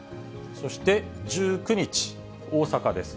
そして１９日、大阪です。